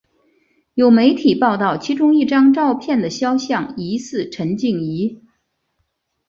有媒体报道其中一张照片的肖像疑似陈静仪。